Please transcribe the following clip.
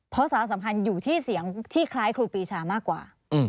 เพราะสารสัมพันธ์อยู่ที่เสียงที่คล้ายครูปีชามากกว่า